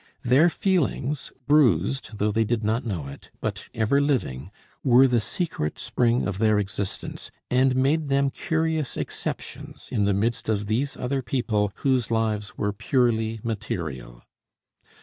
Their feelings, bruised, though they did not know it, but ever living, were the secret spring of their existence, and made them curious exceptions in the midst of these other people whose lives were purely material.